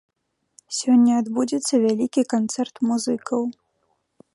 Сёння адбудзецца вялікі канцэрт музыкаў.